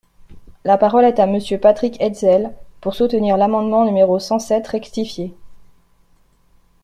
La parole est à Monsieur Patrick Hetzel, pour soutenir l’amendement numéro cent sept rectifié.